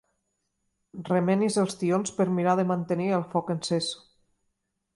Remenis els tions per mirar de mantenir el foc encès.